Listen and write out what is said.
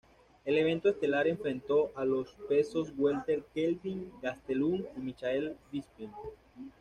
El evento estelar enfrentó a los pesos welter Kelvin Gastelum y Michael Bisping.